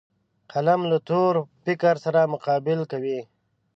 قلم له تور فکر سره مقابل کوي